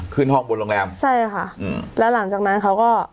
ขึ้นห้องบนโรงแรมใช่ค่ะอืมแล้วหลังจากนั้นเขาก็